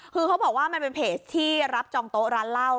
คือเขาบอกว่ามันเป็นเพจที่รับจองโต๊ะร้านเหล้า